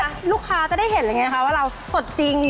เพื่อลูกค้าจะได้เห็นว่าเราสดจริง